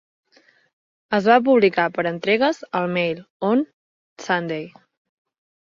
Es va publicar per entregues al Mail on Sunday.